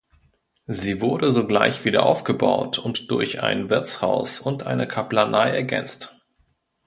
Sie wurde sogleich wieder aufgebaut und durch ein Wirtshaus und eine Kaplanei ergänzt.